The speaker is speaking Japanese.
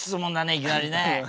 いきなりね。